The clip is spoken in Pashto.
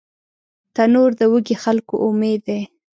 تنور د وږي خلکو امید دی